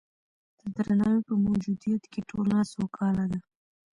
د درناوي په موجودیت کې ټولنه سوکاله ده.